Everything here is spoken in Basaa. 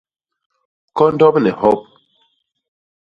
Kondop ni hop.